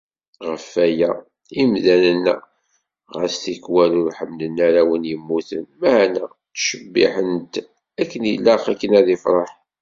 Ɣef waya, imdanen–a xas tikwal ur ḥemmlen ara win yemmuten, meɛna ttcebbiḥen-t akken ilaq, akken ad ifreḥ.